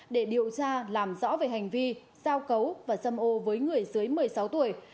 đã làm rõ về hành vi giao cấu và xâm ô với người dưới một mươi sáu tuổi